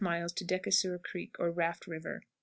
Decassure Creek, or Raft River.